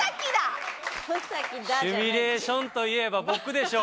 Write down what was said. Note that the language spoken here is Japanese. シミュレーションといえば僕でしょ！